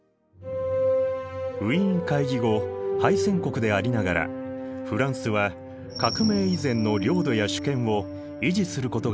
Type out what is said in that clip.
ウィーン会議後敗戦国でありながらフランスは革命以前の領土や主権を維持することができた。